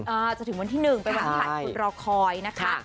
อ่าจะถึงวันที่๑ไปวันผ่านกุฏรคอยนะคะ